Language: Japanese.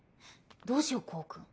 どうしようコウ君。